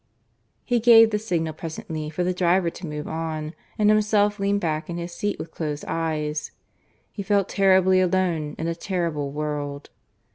He gave the signal presently for the driver to move on, and himself leaned back in his seat with closed eyes. He felt terribly alone in a terrible world.